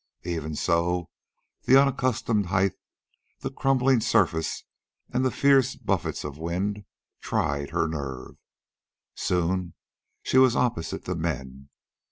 Even so, the unaccustomed height, the crumbling surface, and the fierce buffets of the wind tried her nerve. Soon she was opposite the men.